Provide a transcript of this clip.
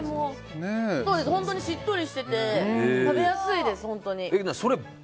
しっとりしてて食べやすいです。